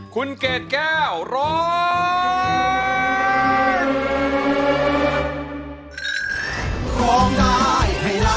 คุณเกดแก้วร้อง